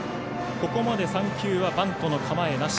ここまで３球はバントの構えなし。